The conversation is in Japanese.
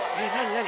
何？